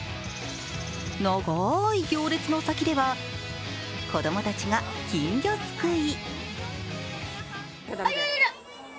長い行列の先では子供たちが金魚すくい。